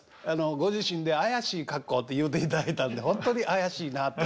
ご自身で「怪しい格好」と言うていただいたんで本当に怪しいなと。